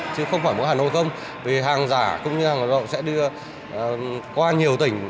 chứ không phải một hà nội không vì hàng giả cũng như hàng rộng sẽ đưa qua nhiều tỉnh